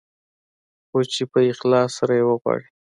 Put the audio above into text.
خو چې په اخلاص سره يې وغواړې.